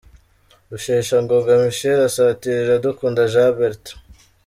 Rusheshangoga Michel asatira Iradukunda Jean Bertrand.